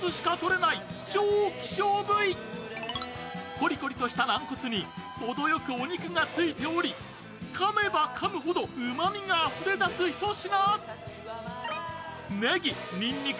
コリコリとした軟骨にほどよくお肉がついておりかめばかむほどうまみがあふれ出す一品。